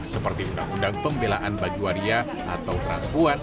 seperti undang undang pembelaan bagi waria atau transpuan